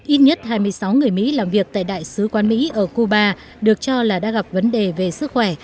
ít nhất hai mươi sáu người mỹ làm việc tại đại sứ quán mỹ ở cuba được cho là đã gặp vấn đề về sức khỏe